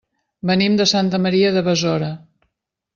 Venim de Santa Maria de Besora.